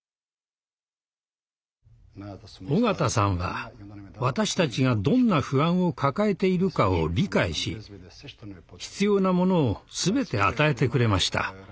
緒方さんは私たちがどんな不安を抱えているかを理解し必要なものを全て与えてくれました。